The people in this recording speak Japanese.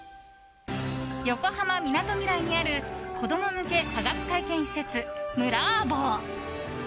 横浜みなとみらいにある子供向け科学体験施設Ｍｕｌａｂｏ！。